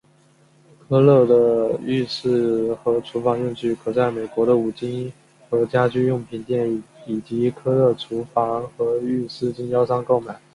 科勒的浴室和厨房用具可在美国的五金和家居用品店以及科勒厨房和浴室经销商购买。